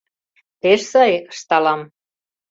Пеш сай! — ышталам.